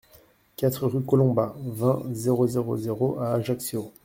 quatre rue Colomba, vingt, zéro zéro zéro à Ajaccio